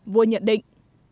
vua nhận định